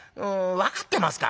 分かってますか？」。